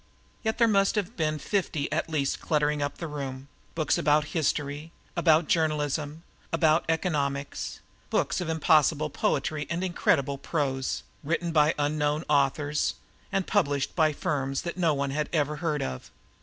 Yet there must have been fifty at least cluttering up the room books about history, about journalism, about economics books of impossible poetry and incredible prose, written by unknown authors and published by firms one had never heard of.